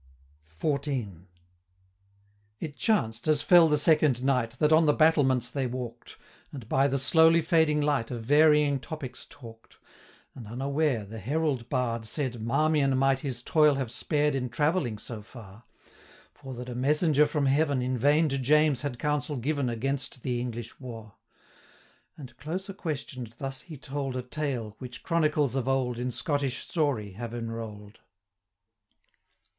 270 XIV. It chanced, as fell the second night, That on the battlements they walk'd, And, by the slowly fading light, Of varying topics talk'd; And, unaware, the Herald bard 275 Said, Marmion might his toil have spared, In travelling so far; For that a messenger from heaven In vain to James had counsel given Against the English war: 280 And, closer question'd, thus he told A tale, which chronicles of old In Scottish story have enroll'd: XV.